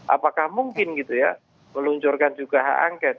apakah mungkin gitu ya meluncurkan juga hak angket